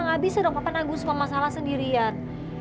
gak bisa dong papa tanggung semua masalah sendirian